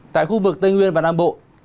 tại khu vực tây nguyên và nam bộ